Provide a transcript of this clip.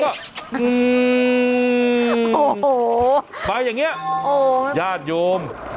อร้อยอย่างนี้ญาจโยม